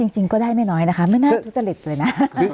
จริงก็ได้ไม่น้อยนะคะไม่น่าทุจริตเลยนะ